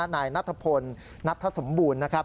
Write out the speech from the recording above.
นายนัทธพลนัทธสมบูรณ์